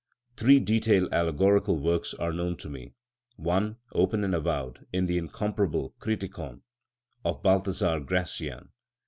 Three detailed allegorical works are known to me, one, open and avowed, is the incomparable "Criticon" of Balthasar Gracian.